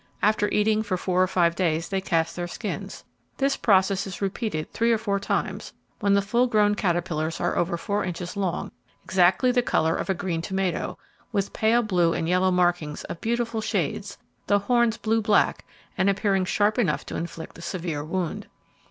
After eating for four or five days, they cast their skins. This process is repeated three or four times, when the full grown caterpillars are over four inches long, exactly the colour of a green tomato, with pale blue and yellow markings of beautiful shades, the horns blue black; and appearing sharp enough to inflict a severe wound.